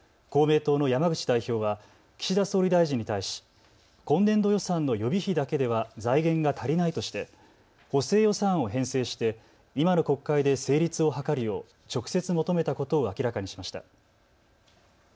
公明党の山口代表は岸田総理大臣に対し今年度予算の予備費だけでは財源が足りないとして補正予算案を編成して今の国会で成立を図るよう直接求めたことを明らかにしました。